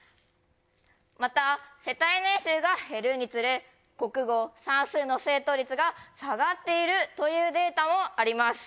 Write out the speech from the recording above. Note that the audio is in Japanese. また世帯年収が減るにつれ国語算数の正答率が下がっているというデータもあります。